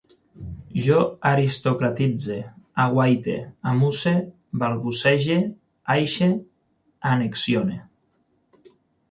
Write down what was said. Jo aristocratitze, aguaite, amusse, balbucege, aixe, annexione